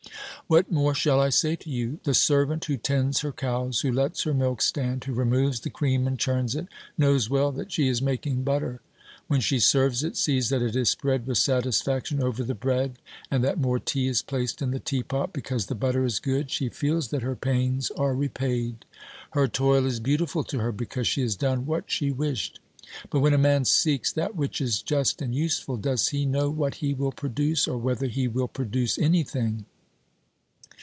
What more shall I say to you ? The servant who tends her cows, who lets her milk stand, who removes the cream and churns it, knows well that she is making butter. When she serves it, sees that it is spread with satisfaction over the bread, and that more tea is placed in the teapot because the butter is good, she feels that her pains are repaid ; her toil is beautiful to her because she has done what she wished. But when a man seeks that which is just and useful, does he know what he will produce, or whether he will produce anything?